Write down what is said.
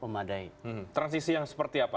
memadai transisi yang seperti apa